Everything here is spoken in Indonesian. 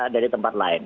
dari tempat lain